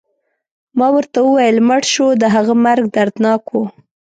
ما ورته وویل: مړ شو، د هغه مرګ دردناک و.